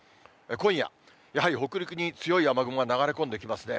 今夜、やはり北陸に強い雨雲が流れ込んできますね。